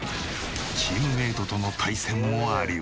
チームメイトとの対戦もあり得る。